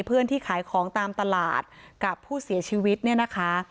เพื่อนที่ขายของตามตลาดกับผู้เสียชีวิตเนี่ยนะคะ